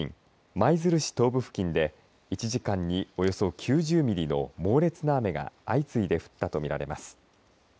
舞鶴市東部付近で１時間におよそ９０ミリの猛烈な雨が相次いで降ったと見られます。